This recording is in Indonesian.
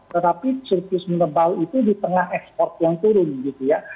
tetapi surplus menebal itu di tengah ekspor yang turun gitu ya